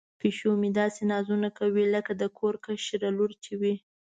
پیشو مې داسې نازونه کوي لکه د کور کشره لور چې وي.